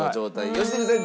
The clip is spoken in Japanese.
良純さん